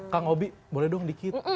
kak ngobi boleh dong dikit